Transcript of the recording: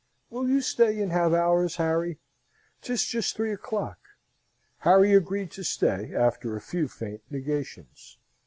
"Will you stay and have ours, Harry? 'Tis just three o'clock!" Harry agreed to stay, after a few faint negations.